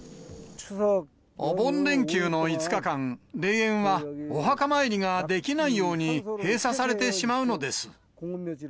お盆連休の５日間、霊園はお墓参りができないように閉鎖されてしまうのです。